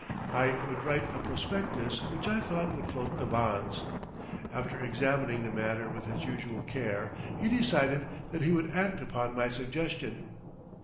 I would write a prospectus which I thought would float the bonds. After examining the matter with his usual care he decided that he would act upon my suggestion.